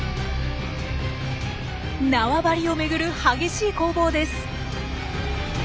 なわばりを巡る激しい攻防です。